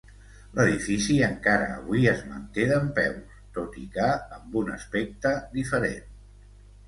L'edifici encara avui es manté dempeus, tot i que amb un aspecte diferent.